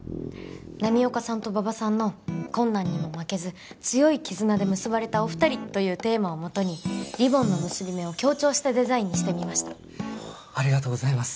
浪岡さんと馬場さんの困難にも負けず強い絆で結ばれたお二人というテーマをもとにリボンの結び目を強調したデザインにしてみましたありがとうございます